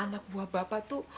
anak buah bapak itu